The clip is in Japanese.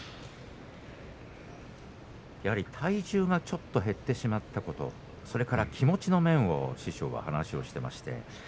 やはり体重がちょっと減ってしまったことそれから気持ちの面を師匠は話をしていました。